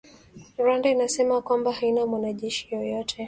Rwanda inasema kwamba haina mwanajeshi yeyote